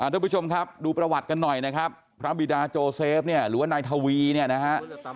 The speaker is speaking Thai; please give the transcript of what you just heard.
ทุกผู้ชมครับดูประวัติกันหน่อยนะครับพระบิดาโจเซฟเนี่ยหรือว่านายทวีเนี่ยนะฮะ